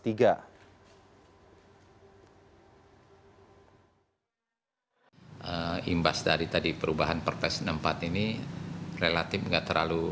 imbas dari perubahan perpes enam puluh empat ini relatif tidak terlalu